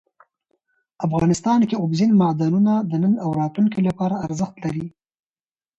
افغانستان کې اوبزین معدنونه د نن او راتلونکي لپاره ارزښت لري.